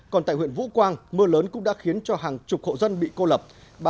còn tại huyện vũ quang mưa lớn cũng đã khiến cho hàng chục hộ dân bị cô lập